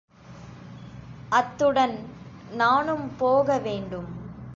அத்துடன் நானும் போக வேண்டும்.